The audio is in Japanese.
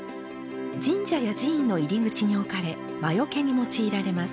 神社や寺院の入り口に置かれ魔よけに用いられます。